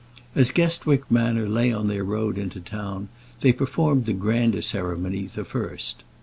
As Guestwick Manor lay on their road into the town, they performed the grander ceremony the first.